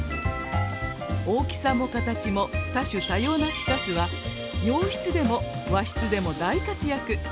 大きさも形も多種多様なフィカスは洋室でも和室でも大活躍。